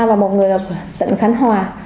và một người ở tỉnh khánh hòa